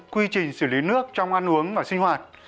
quy trình xử lý nước trong ăn uống và sinh hoạt